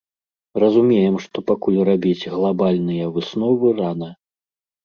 Разумеем, што пакуль рабіць глабальныя высновы рана.